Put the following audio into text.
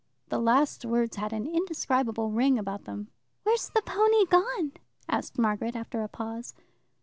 The last words had an indescribable ring about them. "Where's the pony gone?" asked Margaret after a pause.